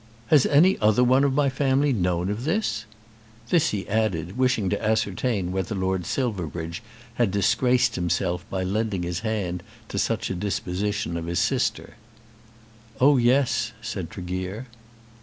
Has any other one of my family known of this?" This he added, wishing to ascertain whether Lord Silverbridge had disgraced himself by lending his hand to such a disposition of his sister. "Oh yes," said Tregear.